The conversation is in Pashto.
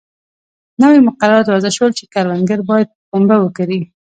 نوي مقررات وضع شول چې کروندګر باید پنبه وکري.